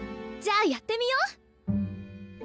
じゃあやってみよう！